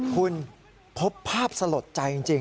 คุณพบภาพสลดใจจริง